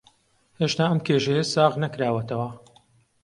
هێشتا ئەم کێشەیە ساغ نەکراوەتەوە